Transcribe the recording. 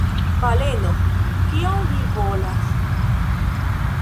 Baleno: "Kion vi volas?"